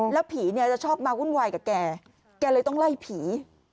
แล้วผีเนี่ยจะชอบมาวุ่นวายกับแกแกเลยต้องไล่ผี